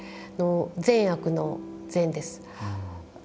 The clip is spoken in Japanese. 善悪の善です。